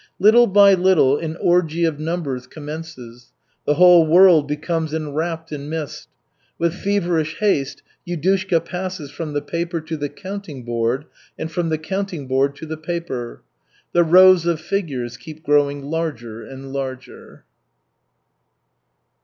Little by little an orgy of numbers commences. The whole world becomes enwrapped in mist. With feverish haste Yudushka passes from the paper to the counting board and from the counting board to the paper. The rows of figures keep growing larger and larger.